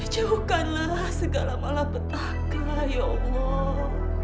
jauhkanlah segala malapetaka ya allah